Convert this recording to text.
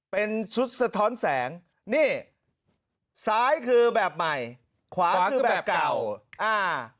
เป็นชุดสะท้อนแสงนี่ซ้ายคือแบบใหม่ขวาคือแบบเก่าอ่า